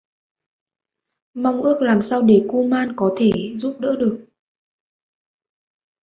Mong ước làm sao để kuman có thể giúp đỡ được